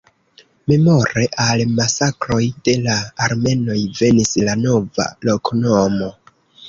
Memore al masakroj de la armenoj venis la nova loknomo.